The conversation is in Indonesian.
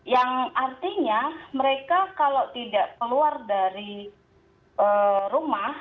yang artinya mereka kalau tidak keluar dari rumah